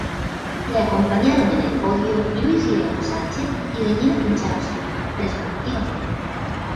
Le acompañaron en el podio Luis León Sánchez y Beñat Intxausti, respectivamente.